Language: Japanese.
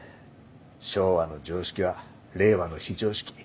昭和の常識は令和の非常識。